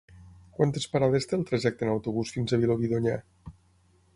Quantes parades té el trajecte en autobús fins a Vilobí d'Onyar?